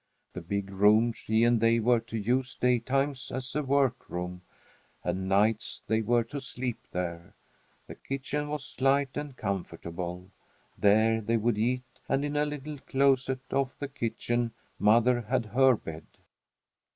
The big room she and they were to use daytimes as a work room, and nights they were to sleep there. The kitchen was light and comfortable. There they would eat, and in a little closet off the kitchen mother had her bed.